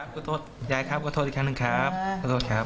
ขอโทษยายครับขอโทษอีกครั้งหนึ่งครับขอโทษครับ